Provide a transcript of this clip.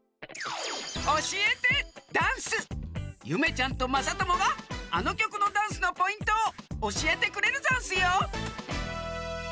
ゆめちゃんとまさともがあのきょくのダンスのポイントをおしえてくれるざんすよ！